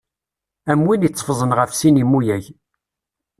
Am win iteffẓen ɣef sin imuyag.